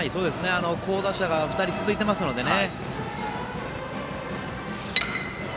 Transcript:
好打者が２人続いていますのでね。